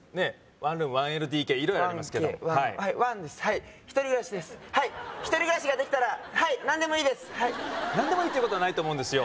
ワンルーム１ＬＤＫ色々ありますけども１Ｋはいワンですはい１人暮らしですはい１人暮らしができたらはい何でもいいですはい何でもいいっていうことはないと思うんですよ